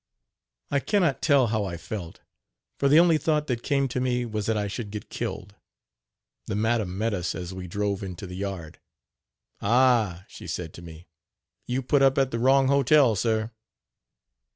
I can not tell how I felt, for the only thought that came to me was that I should get killed. The madam met us as we drove into the yard. "Ah!" she said to me, "you put up at the wrong hotel, sir.